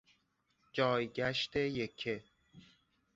جایگشت یکه